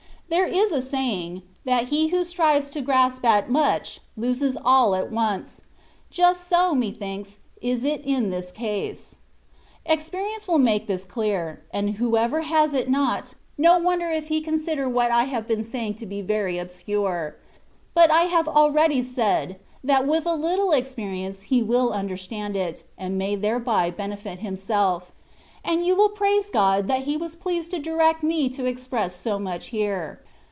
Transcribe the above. There is a saying, ^^ that he who strives to grasp at much, loses all at once :'' just so, methinks, is it in this case. Experience wiU make this clear, and whoever has it not, no wonder if he consider what I have been saying to be very obscure : but I have already said, that with a Uttle experience he will understand it, and may thereby benefit himself; and you will praise God that He was pleased to direct me to express so much here.